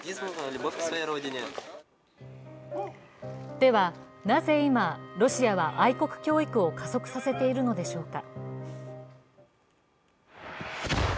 ではなぜ今、ロシアは愛国教育を加速させているのでしょうか。